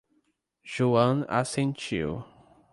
Joan assentiu.